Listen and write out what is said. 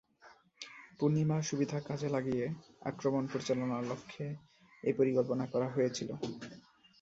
পূর্ণিমার সুবিধা কাজে লাগিয়ে আক্রমণ পরিচালনার লক্ষ্যে এ পরিকল্পনা করা হয়েছিল।